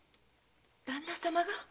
旦那様が？